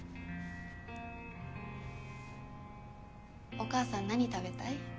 お母さん何食べたい？